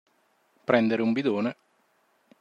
Prendere un bidone.